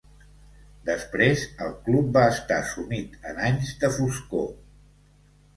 Desprès, el club va estar sumit en anys de foscor.